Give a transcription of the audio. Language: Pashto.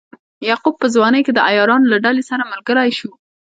یعقوب په ځوانۍ کې د عیارانو له ډلې سره ملګری شو.